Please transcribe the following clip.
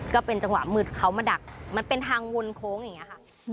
ก็เป็นจังหวะมืดเขามาดักมันเป็นทางวนโค้งอย่างนี้ค่ะ